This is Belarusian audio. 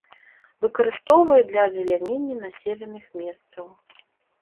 Выкарыстоўваюць для азелянення населеных месцаў.